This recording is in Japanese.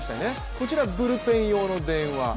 こちらブルペン用の電話。